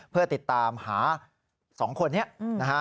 เพื่อติดตามหาสองคนนี้นะครับ